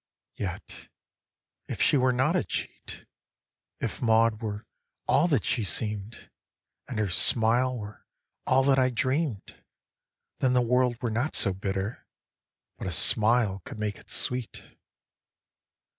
Yet, if she were not a cheat, If Maud were all that she seem'd, And her smile were all that I dream'd, Then the world were not so bitter But a smile could make it sweet.